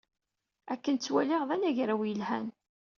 Akken ttwaliɣ d anagraw yelhan